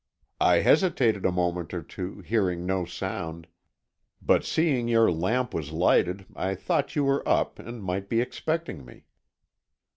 "I hesitated a moment or two, hearing no sound, but seeing your lamp was lighted, I thought you were up, and might be expecting me."